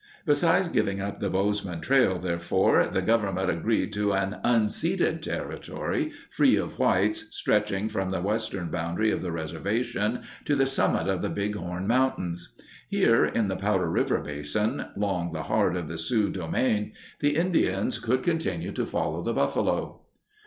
Besides giving up the Bozeman Trail, therefore, the Government agreed to an "unceded territory," free of whites, stretching from the western boundary of the reservation to the summit of the Big Horn Mountains. Here in the Powder River Basin, long the heart of the Sioux domain, the Indians could continue to follow the buffalo.